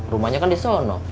rumahnya kan disono